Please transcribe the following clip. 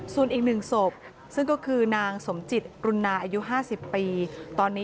ส่วนอีก๑ศพซึ่งก็คือนางสมจิตรุนนาอายุ๕๐ปี